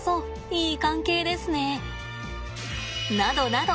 いい関係ですね。などなど